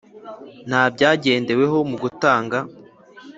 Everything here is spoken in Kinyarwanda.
Nta byagendeweho mu gutanga